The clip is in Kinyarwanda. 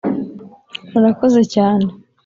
murakoze cyane.